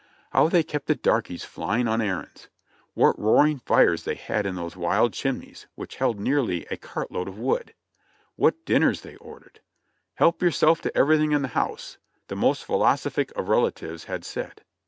How they kept the darkies flying on errands ! What roaring fires they had in those wide chimneys, which held nearly a cart load of wood ! What dinners they ordered — "Help yourself to every thing in the house," tlie most philosophic of relatives had said.